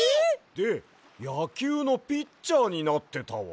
でやきゅうのピッチャーになってたわ。